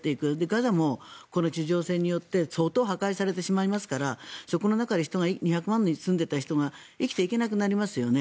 ガザもこの地上戦によって相当破壊されてしますからそこの中で２００万人住んでいた人たちが生きていけなくなりますよね。